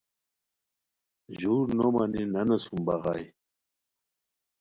ژور نو مانی نانو سوم بغائے